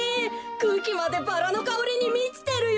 くうきまでバラのかおりにみちてるよ。